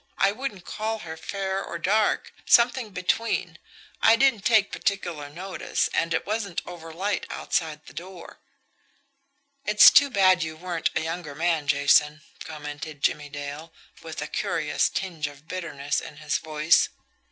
I wouldn't call her fair or dark, something between. I didn't take particular notice, and it wasn't overlight outside the door." "It's too bad you weren't a younger man, Jason," commented Jimmie Dale, with a curious tinge of bitterness in his voice.